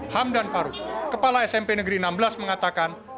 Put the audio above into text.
hamdan faruk kepala smp negeri enam belas mengatakan